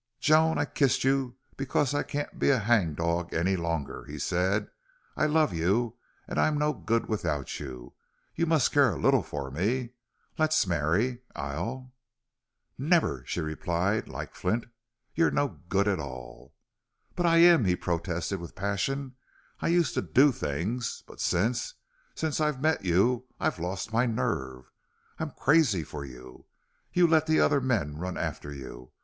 "Joan, I kissed you because I can't be a hangdog any longer," he said. "I love you and I'm no good without you. You must care a little for me. Let's marry... I'll " "Never!" she replied, like flint. "You're no good at all." "But I am," he protested, with passion. "I used to do things. But since since I've met you I've lost my nerve. I'm crazy for you. You let the other men run after you.